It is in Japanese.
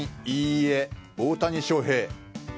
いいえ大谷翔平」。